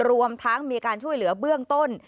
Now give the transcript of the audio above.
รวมทั้งมีการช่วยเหลือเบื้องต้น